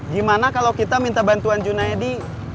gimana kalau kita minta bantuan june eddy